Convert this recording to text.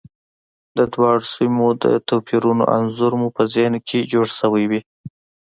د دواړو سیمو د توپیرونو انځور مو په ذهن کې جوړ شوی وي.